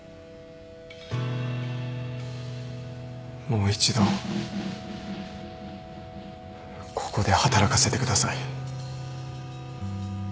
もう一度ここで働かせてください。